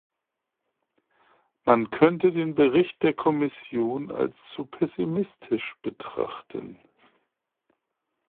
Man könnte den Bericht der Kommission als zu pessimistisch betrachten.